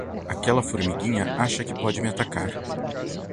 Aquela formiguinha acha que pode me atacar.